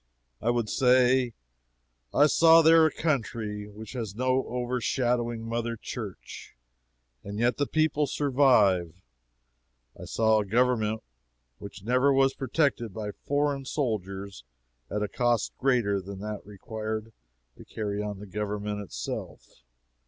I would say: "I saw there a country which has no overshadowing Mother Church, and yet the people survive. I saw a government which never was protected by foreign soldiers at a cost greater than that required to carry on the government itself.